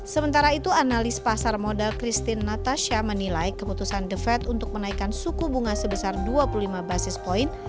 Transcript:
sementara itu analis pasar modal christine natasha menilai keputusan the fed untuk menaikkan suku bunga sebesar dua puluh lima basis point